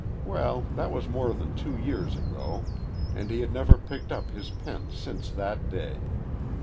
Well, that was more than two years ago, and he had never picked up his pen since that day.